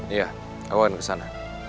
iya awalkan kesana